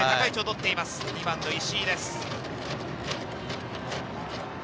２番の石井です。